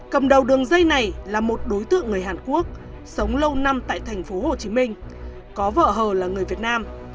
cầm đầu đường dây này là một đối tượng người hàn quốc sống lâu năm tại thành phố hồ chí minh có vợ hờ là người việt nam